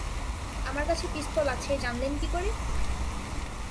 আমার কাছে পিস্তল আছে, জানলেন কী করে?